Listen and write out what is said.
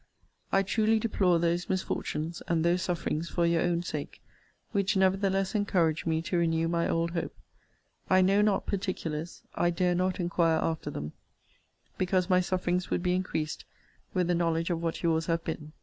I truly deplore those misfortunes, and those sufferings, for your own sake; which nevertheless encourage me to renew my old hope. I know not particulars. I dare not inquire after them; because my sufferings would be increased with the knowledge of what your's have been.